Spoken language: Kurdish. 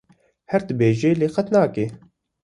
Her dibêje lê qet nake.